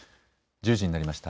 １０時になりました。